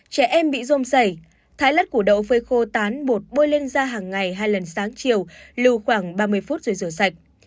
trẻ em bị rum sẩy thái lất củ đậu phơi khô tán bột bôi lên da hàng ngày hai lần sáng chiều lưu khoảng ba mươi phút rồi rửa sạch